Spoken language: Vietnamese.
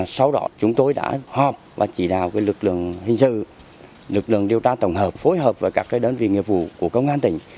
sau đó chúng tôi đã họp và chỉ đào lực lượng hình sự lực lượng điều tra tổng hợp phối hợp với các đơn vị nghiệp vụ của công an tỉnh